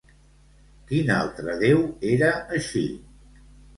Quin altre déu era així?